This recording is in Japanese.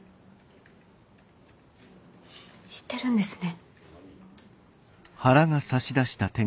知ってるんですね？